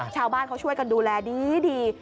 ชาวบ้านเขาช่วยกันดูแลดี